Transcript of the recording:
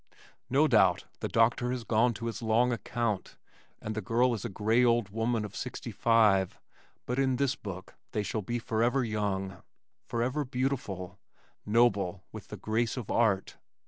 No doubt the doctor has gone to his long account and the girl is a gray old woman of sixty five but in this book they shall be forever young, forever beautiful, noble with the grace of art.